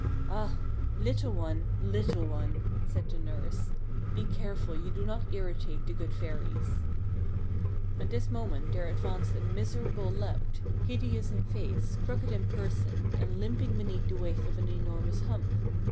" Ah ! little one, little one," said the nurse, " be careful you do not irritate the good fairies." At this moment there advanced a miserable lout, hideous in face, crooked in person, and limping beneath the weight of an enormous hump.